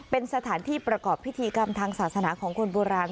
เป็นสถานที่ประกอบพิธีกรรมทางศาสนาของคนโบราณ